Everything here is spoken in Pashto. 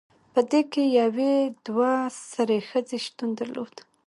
پدې کې یوې دوه سرې ښځې شتون درلود